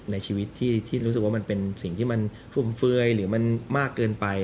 ในชีวิตที่รู้สึกว่ามันเป็นสิ่งที่มันฟุ่มเฟือยหรือมันมากเกินไป